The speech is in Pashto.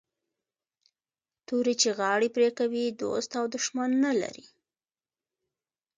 توري چي غاړي پرې کوي دوست او دښمن نه لري